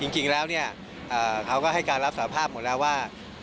จริงแล้วเนี่ยเขาก็ให้การรับสาภาพหมดแล้วว่า